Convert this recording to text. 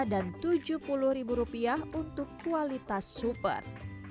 dan tujuh puluh rupiah untuk kualitas super